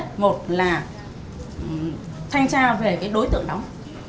thứ nhất một là thanh tra về đối tượng đóng